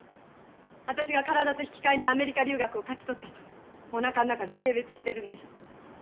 私が体と引き換えにアメリカ留学を勝ち取ったとおなかの中じゃ軽蔑してるんでしょ。